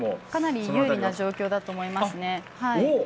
かなり有利な状況だと思います。